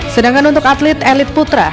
sedangkan untuk atlet elite putri